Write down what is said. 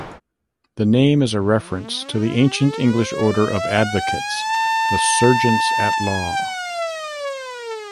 The name is a reference to the ancient English order of advocates, the serjeants-at-law.